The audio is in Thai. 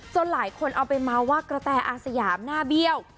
หลายคนเอาไปเมาส์ว่ากระแตอาสยามหน้าเบี้ยว